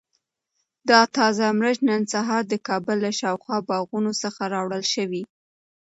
دا تازه مرچ نن سهار د کابل له شاوخوا باغونو څخه راوړل شوي.